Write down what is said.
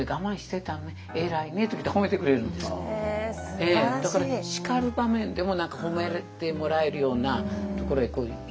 ええだから叱る場面でも何か褒めてもらえるようなところへ誘導されてたというかね。